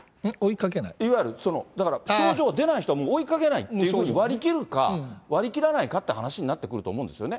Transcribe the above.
いわゆる、だから症状出ない人は追いかけないっていうふうに割り切るか、割り切らないかっていう話になってくると思うんですよね。